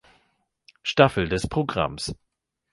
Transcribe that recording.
Staffel des Programms.